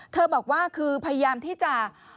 บอกว่าคือพยายามที่จะ